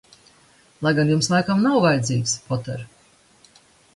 Lai gan Jums laikam nav vajadzīgs, Poter?